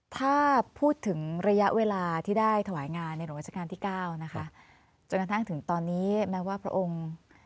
ถ้าพูดถึงระยะเวลาที่ได้ถวายงานในหลวงราชการที่เก้านะคะจนกระทั่งถึงตอนนี้แม้ว่าพระองค์